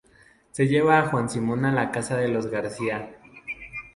Se lleva a Juan Simón a la casa de los García.